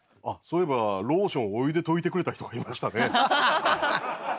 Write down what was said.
あっそういえばローションをお湯で溶いてくれた人がいましたね。